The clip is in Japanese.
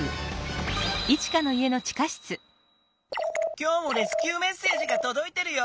今日もレスキューメッセージがとどいてるよ。